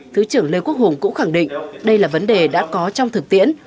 thứ trưởng lê quốc hùng cũng khẳng định đây là vấn đề đã có trong thực tiễn